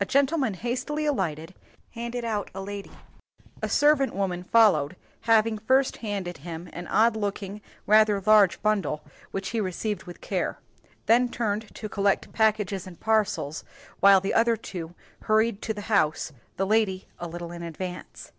A gentleman hastily alighted, handed out a lady; a servant woman followed having first handed him an odd looking, rather large bundle, which he received with care then turned to collect packages and parcels, while the other two hurried to the house, the lady a little in advance.